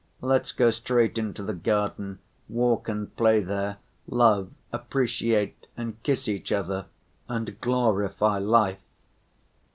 Let's go straight into the garden, walk and play there, love, appreciate, and kiss each other, and glorify life."